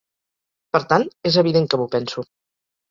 Per tant, és evident que m’ho penso.